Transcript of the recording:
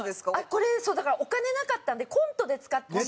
これそうだからお金なかったんでコントで使った衣装。